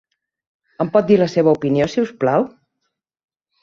Em pot dir la seva opinió, si us plau?